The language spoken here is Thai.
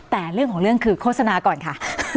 แต่เรื่องของเรื่องคือโฆษณาก่อนค่ะ